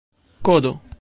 kodo